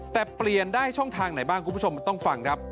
แต่เปลี่ยนได้ช่องทางไหนบ้างคุณผู้ชมต้องฟังครับ